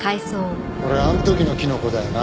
これあん時のキノコだよな？